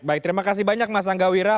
baik terima kasih banyak mas anggawira